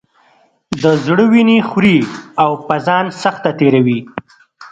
د زړه وینې خوري او په ځان سخته تېروي.